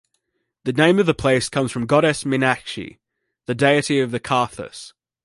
The name of the place comes from Goddess Meenakshi, the deity of the "Karthas".